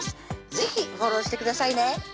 是非フォローしてくださいね